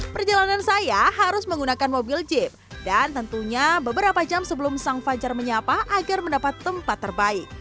perjalanan saya harus menggunakan mobil jeep dan tentunya beberapa jam sebelum sang fajar menyapa agar mendapat tempat terbaik